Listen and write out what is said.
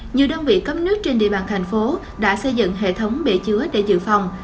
nhiều đơn vị cấp nước trên địa bàn thành phố đã xây dựng hệ thống bể chứa để dự phòng